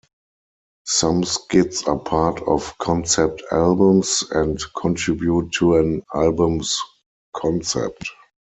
Some skits are part of concept albums and contribute to an album's concept.